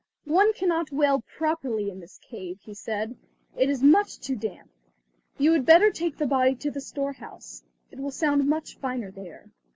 "One cannot wail properly in this cave," he said, "it is much too damp. You had better take the body to the storehouse. It will sound much finer there."